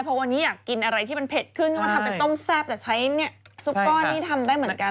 เพราะวันนี้อยากกินอะไรที่มันเผ็ดขึ้นก็มาทำเป็นต้มแซ่บแต่ใช้ซุปก้อนนี้ทำได้เหมือนกัน